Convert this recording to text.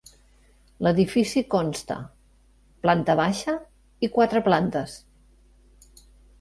L'edifici consta planta baixa i quatre plantes.